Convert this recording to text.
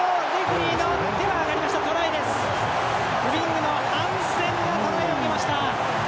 ウイングのハンセンがトライを挙げました。